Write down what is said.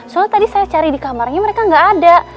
soalnya tadi saya cari di kamarnya mereka nggak ada